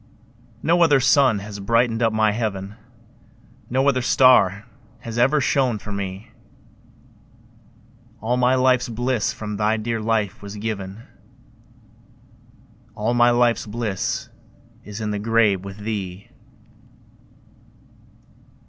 No other sun has brightened up my heaven, No other star has ever shone for me; All my life's bliss from thy dear life was given, All my life's bliss is in the grave with thee.